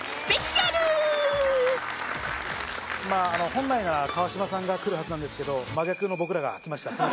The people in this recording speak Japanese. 本来なら川島さんが来るはずなんですけど真逆の僕らが来ました